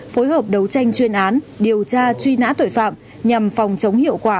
phối hợp đấu tranh chuyên án điều tra truy nã tội phạm nhằm phòng chống hiệu quả